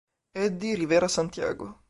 Eddie Rivera Santiago